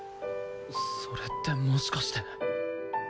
それってもしかして